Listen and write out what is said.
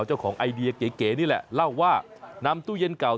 ไอเดียเก๋นี่แหละเล่าว่านำตู้เย็นเก่า